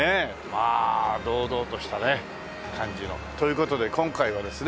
まあ堂々としたね感じの。という事で今回はですね